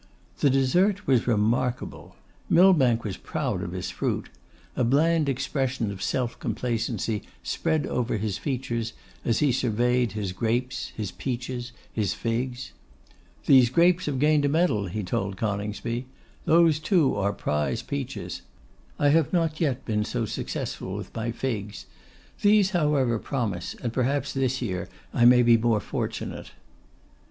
The dessert was remarkable. Millbank was proud of his fruit. A bland expression of self complacency spread over his features as he surveyed his grapes, his peaches, his figs. 'These grapes have gained a medal,' he told Coningsby. 'Those too are prize peaches. I have not yet been so successful with my figs. These however promise, and perhaps this year I may be more fortunate.